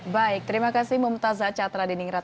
baik terima kasih mbak mutazah catra diningrat